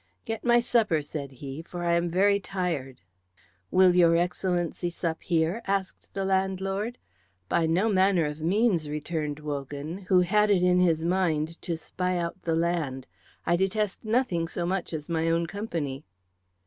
"Get my supper," said he, "for I am very tired." "Will your Excellency sup here?" asked the landlord. "By no manner of means," returned Wogan, who had it in his mind to spy out the land. "I detest nothing so much as my own company."